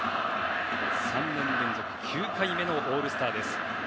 ３年連続９回目のオールスターです。